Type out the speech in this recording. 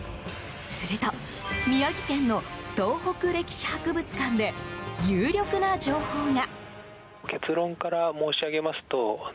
すると、宮城県の東北歴史博物館で有力な情報が。